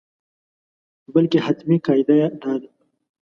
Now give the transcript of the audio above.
بلکې حتمي قاعده یې دا ده.